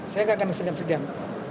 saya akan segan segan